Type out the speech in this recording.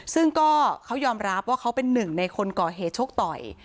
ซึ่งก็เขายอมรับว่าเขาเป็นหนึ่งในคนก่อเหตุชกต่อย